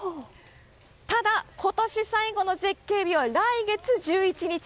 ただ、今年最後の絶景日は来月１１日。